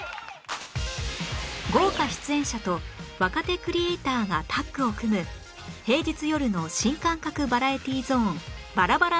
豪華出演者と若手クリエーターがタッグを組む平日夜の新感覚バラエティゾーンバラバラ